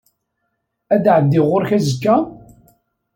Ad d-ɛeddiɣ ɣur-k azekka?